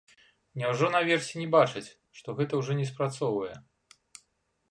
Няўжо наверсе не бачаць, што гэта ўжо не спрацоўвае?